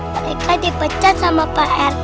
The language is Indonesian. mereka dipecat sama pak rt